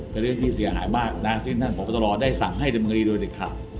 เป็นเรื่องที่เสียหายมากนะซึ่งท่านบกได้สั่งให้ดมดครับ